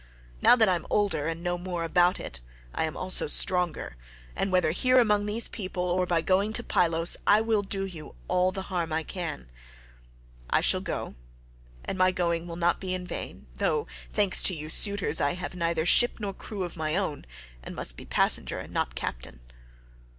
Now that I am older and know more about it, I am also stronger, and whether here among this people, or by going to Pylos, I will do you all the harm I can. I shall go, and my going will not be in vain—though, thanks to you suitors, I have neither ship nor crew of my own, and must be passenger not captain."